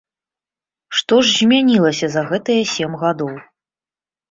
Што ж змянілася за гэтыя сем гадоў?